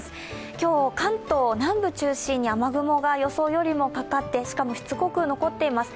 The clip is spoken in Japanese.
今日、関東南部中心に雨雲が予想よりもかかってしかもしつこく残っています。